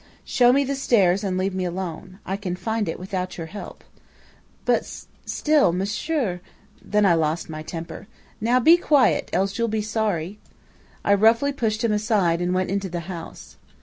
"'Show me the stairs and leave me alone. I can find it without your help.' "'But still monsieur ' "Then I lost my temper. "'Now be quiet! Else you'll be sorry!' "I roughly pushed him aside and went into the house.